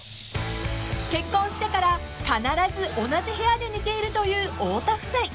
［結婚してから必ず同じ部屋で寝ているという太田夫妻］